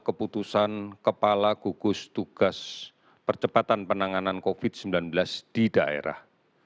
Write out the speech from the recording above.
keputusan kepala gugus tugas percepatan penanganan covid sembilan belas di daerah